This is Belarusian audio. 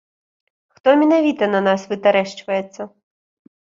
Хто менавіта на нас вытарэшчваецца.